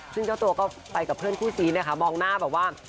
ซึ่งเจ้าตัวก็ไปกับเพื่อนคู่ซีนะคะมองหน้าแบบว่า